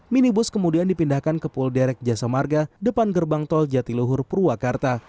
minibus kemudian dipindahkan ke pul derek jasa marga depan gerbang tol jatiluhur purwakarta